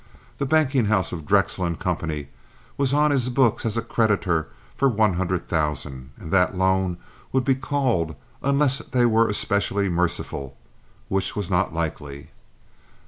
The banking house of Drexel & Co. was on his books as a creditor for one hundred thousand, and that loan would be called unless they were especially merciful, which was not likely.